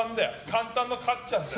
簡単のかっちゃんだよ。